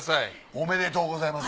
おめでとうございます。